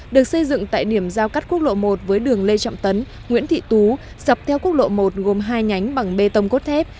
được xây dựng tại điểm giao cắt quốc lộ một với đường lê trọng tấn nguyễn thị tú dọc theo quốc lộ một gồm hai nhánh bằng bê tông cốt thép